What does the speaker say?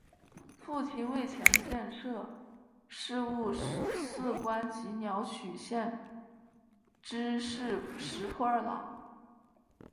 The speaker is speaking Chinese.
父亲为前建设事务次官及鸟取县知事石破二朗。